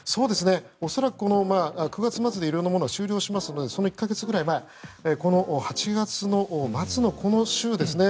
恐らく、９月末で色んなものが終了しますので１か月ぐらい前８月末のこの週ですね。